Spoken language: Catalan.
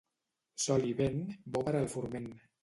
Sol i vent, bo per al forment.